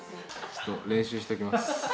練習しておきます。